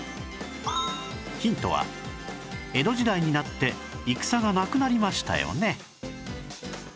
ヒントは江戸時代になって戦がなくなりましたよね